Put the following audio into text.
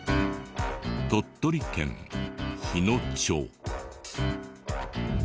鳥取県日野町。